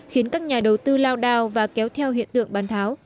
khiến các nhà đầu tư lao đao và kéo theo hiện tượng bán tháo